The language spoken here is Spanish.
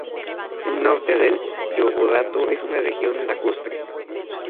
El norte del voivodato es una región lacustre.